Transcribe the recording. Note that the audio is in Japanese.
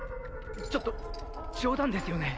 ちょっと冗談ですよね？